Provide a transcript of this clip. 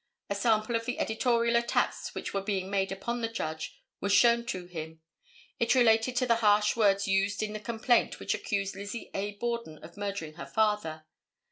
A sample of the editorial attacks which were being made upon the Judge was shown to him. It related to the harsh words used in the complaint which accused Lizzie A. Borden of murdering her father.